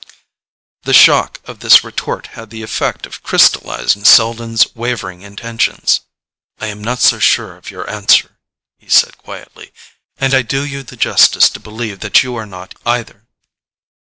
The shock of this retort had the effect of crystallizing Selden's wavering intentions. "I am not so sure of your answer," he said quietly. "And I do you the justice to believe that you are not either."